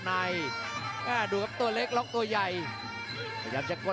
จังหวาดึงซ้ายตายังดีอยู่ครับเพชรมงคล